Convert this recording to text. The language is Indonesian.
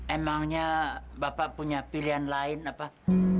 emangnya bapak punya pilihan lain apa